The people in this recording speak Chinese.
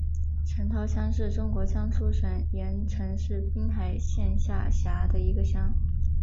陈涛乡是中国江苏省盐城市滨海县下辖的一个乡。